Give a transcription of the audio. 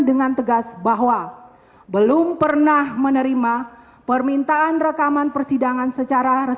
dengan tegas bahwa belum pernah menerima permintaan rekaman persidangan yang telah dikutip oleh ahli